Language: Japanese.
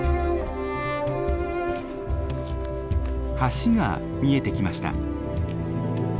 橋が見えてきました。